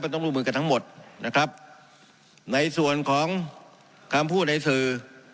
ต้องร่วมมือกันทั้งหมดนะครับในส่วนของคำพูดในสื่อ